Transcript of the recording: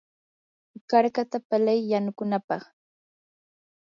karkata palay yanukunapaq.